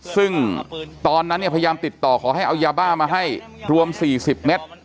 ซึ่งตอนนั้นเนี่ยพยายามติดต่อขอให้เอายาบ้ามาให้รวม๔๐เมตร